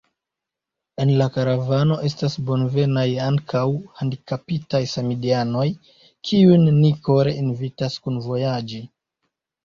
En la karavano estas bonvenaj ankaŭ handikapitaj samideanoj, kiujn ni kore invitas kunvojaĝi.